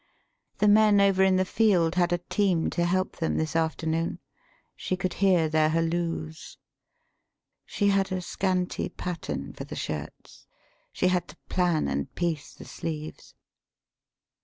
The men over in the field had a team to help them this afternoon; she could hear their halloos. She had a scanty pattern for the shirts; she had to plan and piece the sleeves.